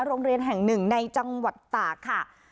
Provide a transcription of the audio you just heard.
โรงเรียนแห่งหนึ่งในจังหวัดตากค่ะ